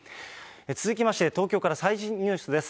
続きまして、東京から最新ニュースです。